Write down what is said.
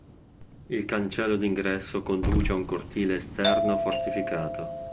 Il cancello d'ingresso conduce a un cortile esterno fortificato.